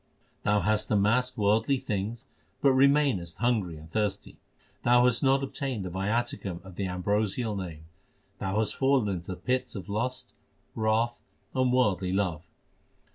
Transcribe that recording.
Thou hast amassed worldly things but remainest hungry and thirsty. Thou hast not obtained the viaticum of the ambrosial Name. Thou hast fallen into the pits of lust, wrath, and worldly love.